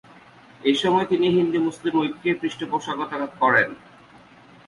এসময় তিনি হিন্দু-মুসলিম ঐক্যের পৃষ্ঠপোষকতা করেন।